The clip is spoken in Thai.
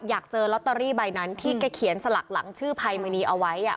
อยากเจอลอตเตอรี่ใบนั้นที่แกเขียนสลักหลังชื่อภัยมณีเอาไว้